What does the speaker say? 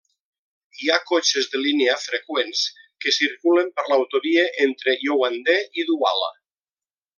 Hi ha cotxes de línia freqüents que circulen per l'autovia entre Yaoundé i Douala.